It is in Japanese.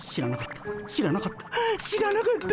知らなかった。